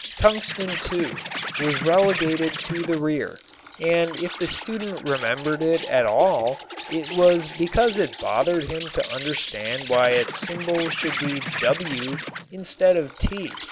Tungsten, too, was relegated to the rear, and if the student remembered it at all it was because it bothered him to understand why its symbol should be W instead of T.